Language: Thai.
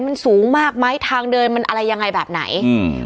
มันสูงมากไหมทางเดินมันอะไรยังไงแบบไหนอืม